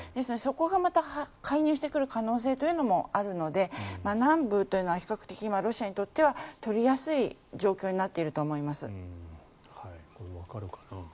そこがまた介入してくる可能性というのもあるので南部というのは比較的ロシアにとっては取りやすい状況になっていると思います。